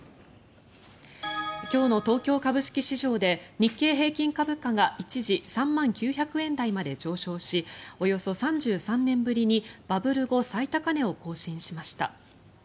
今日の東京株式市場で日経平均株価が一時３万９００円台まで上昇しおよそ３３年ぶりにバブル後最高値を更新しました。